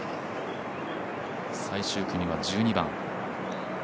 最終組は１２番。